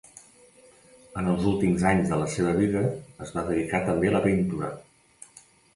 En els últims anys de la seva vida, es va dedicar també a la pintura.